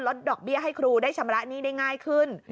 ดอกเบี้ยให้ครูได้ชำระหนี้ได้ง่ายขึ้น